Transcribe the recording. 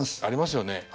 ありますよね？